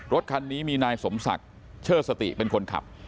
รถคันนี้มีนายสมศักดิ์เชิดสติเป็นคนขับ